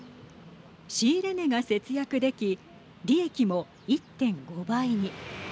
仕入れ値が節約でき利益も１．５倍に。